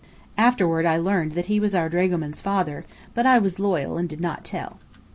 Afterward I learned that he was our dragoman's father; but I was loyal and did not tell.